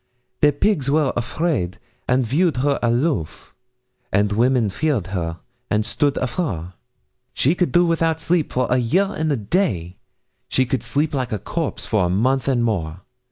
The pigs were afraid, and viewed her aloof; And women feared her and stood afar. She could do without sleep for a year and a day; She could sleep like a corpse, for a month and more.